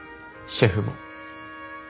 シェフも。